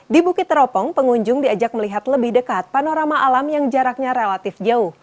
di bukit teropong pengunjung diajak melihat lebih dekat panorama alam yang jaraknya relatif jauh